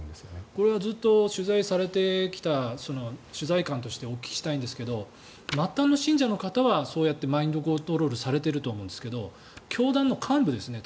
これはずっと取材されてきた取材感としてお聞きしたいんですが末端の信者の方はそうやってマインドコントロールされていると思うんですが教団の幹部ですね